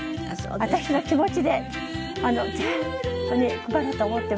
私の気持ちで全国に配ろうと思ってます。